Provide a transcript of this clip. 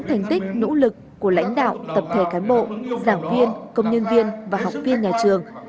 thành tích nỗ lực của lãnh đạo tập thể cán bộ giảng viên công nhân viên và học viên nhà trường